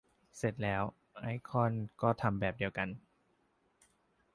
เสร็จแล้ว ไอคอนก็ทำแบบเดียวกัน